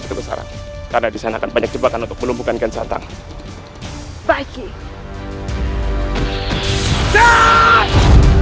dia untuk sarang karena disana akan banyak jebakan untuk melumpuhkan gansantang baiknya